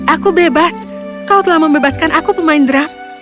aku bebas kau telah membebaskan aku pemain drum